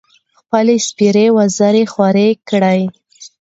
خپـلې سپـېرې وزرې خـورې کـړې.